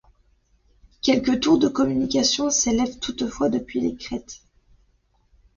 Quelques tours de communication s'élèvent toutefois depuis les crêtes.